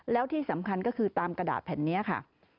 แล้วที่สำคัญก็คือตามกระดาษแผ่นนี้ค่ะ